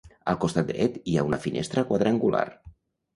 Al costat dret, hi ha una finestra quadrangular.